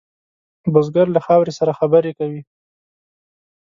بزګر له خاورې سره خبرې کوي